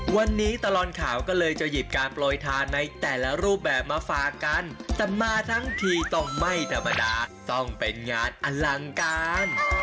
วันนี้ตลอดข่าวก็เลยจะหยิบการโปรยทานในแต่ละรูปแบบมาฝากกันแต่มาทั้งทีต้องไม่ธรรมดาต้องเป็นงานอลังการ